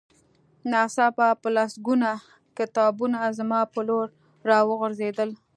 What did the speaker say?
ناڅاپه په لسګونه کتابونه زما په لور را وغورځېدل